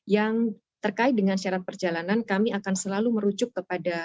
yang terkait dengan syarat perjalanan kami akan selalu merujuk kepada